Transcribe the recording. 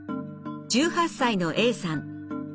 １８歳のＡさん。